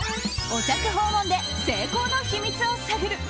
お宅訪問で成功の秘密を探る。